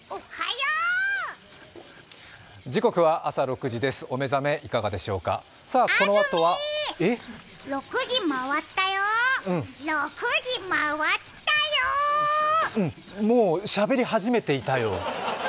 うん、うん、もうしゃべり始めていたよ。